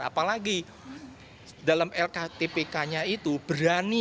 apalagi dalam lktpk nya itu berani